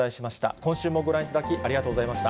今週もご覧いただき、ありがとうございました。